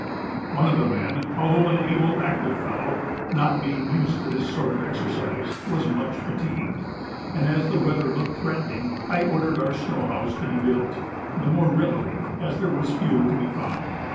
One of the men, although an able active fellow, not being used to this sort of exercise, was much fatigued; and as the weather looked threatening, I ordered our snow house to be built the more readily as there was fuel to be found.